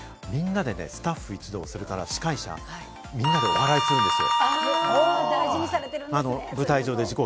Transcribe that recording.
みんなでスタッフ一同、それから司会者みんなで御祓いするんですよ。